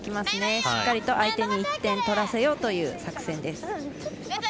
しっかりと相手に１点取らせようという作戦です。